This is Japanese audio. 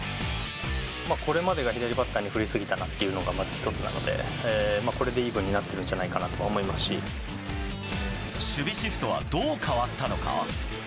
これまでが左バッターに不利すぎたなっていうのがまず１つなので、これでイーブンになってる守備シフトはどう変わったのか。